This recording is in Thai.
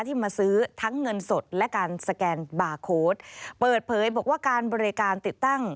มาซื้อทั้งเงินสดและการสแกนบาร์โค้ดเปิดเผยบอกว่าการบริการติดตั้ง